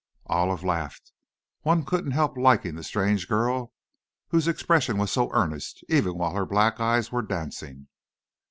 Olive laughed. One couldn't help liking the strange girl whose expression was so earnest, even while her black eyes were dancing.